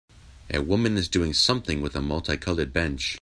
A woman is doing something with a multicolored bench.